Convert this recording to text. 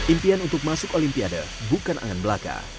impian untuk masuk olimpiade bukan angan belaka